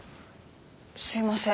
すいません。